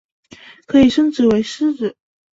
可以升级为狮子。